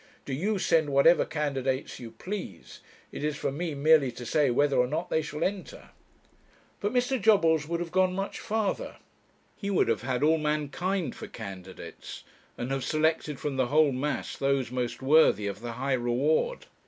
Do you send whatever candidates you please: it is for me merely to say whether or not they shall enter.' But Mr. Jobbles would have gone much farther. He would have had all mankind for candidates, and have selected from the whole mass those most worthy of the high reward.